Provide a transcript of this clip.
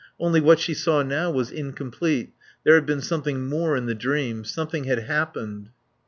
Only what she saw now was incomplete. There had been something more in the dream. Something had happened.